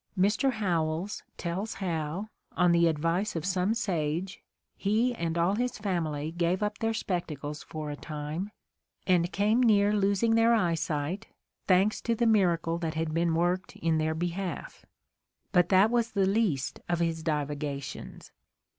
" Mr. Howells tells how, on the advice of some sage, he and all his family gave up their spectacles for a time and came near losing their eye sight, thanks to the miracle that had been worked in their behalf. But that was the least of his divagations.